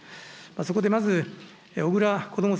そこでまず、小倉こども